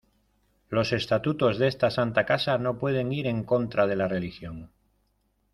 los estatutos de esta santa casa no pueden ir en contra de la Religión.